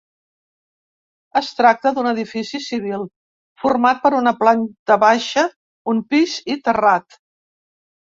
Es tracta d'un edifici civil format per una planta baixa, un pis i terrat.